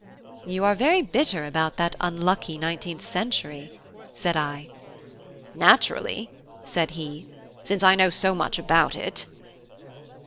"You are very bitter about that unlucky nineteenth century," said I. "Naturally," said he, "since I know so much about it."